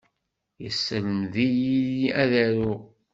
Yesselmed-iyi ad aruɣ.